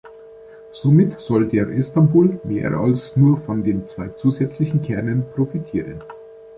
Somit soll der Istanbul mehr als nur von den zwei zusätzlichen Kernen profitieren.